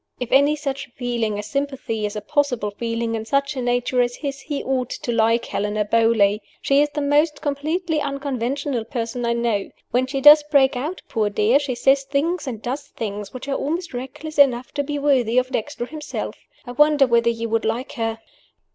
If any such feeling as sympathy is a possible feeling in such a nature as his, he ought to like Helena Beauly. She is the most completely unconventional person I know. When she does break out, poor dear, she says things and does things which are almost reckless enough to be worthy of Dexter himself. I wonder whether you would like her?"